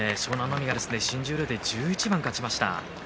海が新十両で１１番勝ちました。